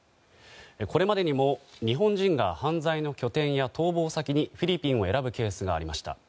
これまでにも日本人が、犯罪の拠点や逃亡先にフィリピンを選ぶケースがありました。